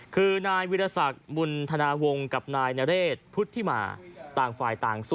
คือนายวิทยศักดิ์บุญธนาห์วงศ์